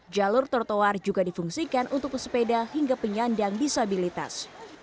jalur trotoar juga difungsikan untuk pesepeda hingga penyandang disabilitas